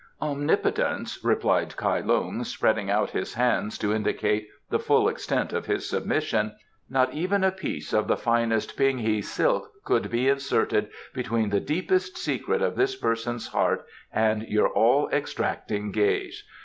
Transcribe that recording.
"Omnipotence," replied Kai Lung, spreading out his hands to indicate the full extent of his submission, "not even a piece of the finest Ping hi silk could be inserted between the deepest secret of this person's heart and your all extracting gaze.